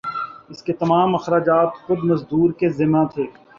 اس کے تمام اخراجات خود مزدور کے ذمہ تھے